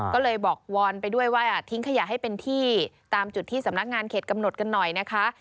ก็เลยบอกวอนไปด้วยว่าทิ้งขยะให้เป็นที่ตามจุดที่สำนักงานเขตกำหนดกันหน่อยนะคะ